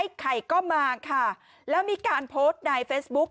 ไข่ก็มาค่ะแล้วมีการโพสต์ในเฟซบุ๊ก